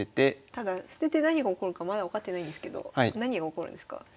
ただ捨てて何が起こるかまだ分かってないんですけど何が起こるんですか？